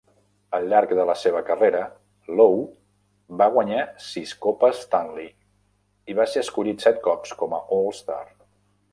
Al llarg de la seva carrera, Lowe va guanyar sis Copes Stanley i va ser escollit set cops com a All-Star.